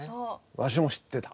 わしも知ってた。